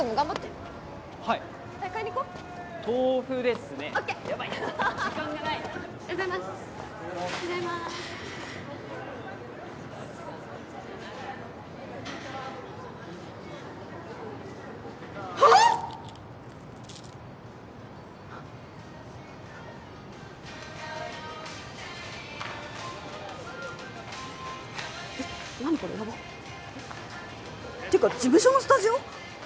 ヤバっていうか事務所のスタジオ？